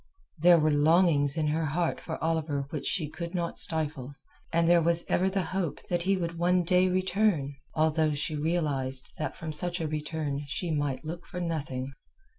There were longings in her heart for Oliver which she could not stifle, and there was ever the hope that he would one day return, although she realized that from such a return she might look for nothing.